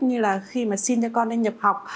như là khi xin cho con nhập học